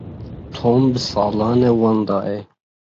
Tom bi salan e wenda ye.